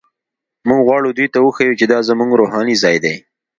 موږ غواړو دوی ته وښیو چې دا زموږ روحاني ځای دی.